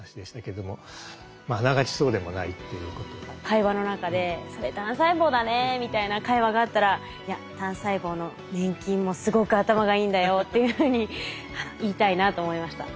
会話の中で「それ単細胞だね」みたいな会話があったら「いや単細胞の粘菌もすごく頭がいいんだよ」っていうふうに言いたいなと思いました。